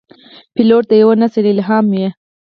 پیلوټ د یوه نسل الهام وي.